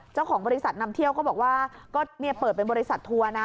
เจ้าของบริษัทนำเที่ยวก็บอกว่าก็เนี่ยเปิดเป็นบริษัททัวร์นะ